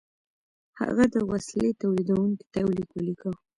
هغه د وسیلې تولیدوونکي ته یو لیک ولیکه